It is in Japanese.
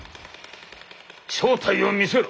正体を見せろ。